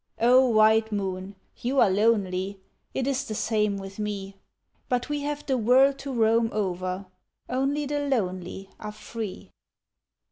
O white moon, you are lonely, It is the same with me, But we have the world to roam over, Only the lonely are free.